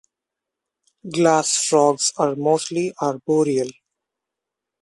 Glass frogs are mostly arboreal.